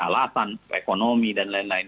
alasan ekonomi dan lain lain